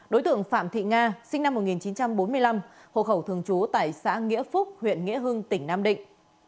đối tượng phạm thị nga sinh năm một nghìn chín trăm bốn mươi năm hộ khẩu thường trú tại xã nghĩa phúc huyện nghĩa hưng tỉnh nam định